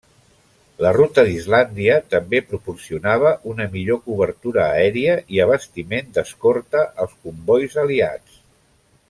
La ruta d'Islàndia també proporcionava una millor cobertura aèria i abastiment d'escorta als combois aliats.